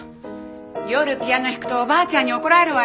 夜ピアノ弾くとおばあちゃんに怒られるわよ。